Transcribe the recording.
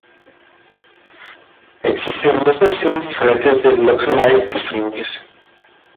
Existen dos versiones diferentes de "Loco Live" disponibles.